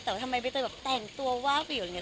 แต่ทำไมใบเตยแบบแต่งตัววาบอยู่